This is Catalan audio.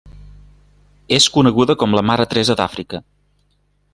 És coneguda com la Mare Teresa d'Àfrica.